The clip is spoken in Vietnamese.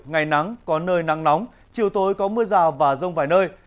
ngày nắng có nơi nắng nóng chiều tối có mưa rào và rông vài nơi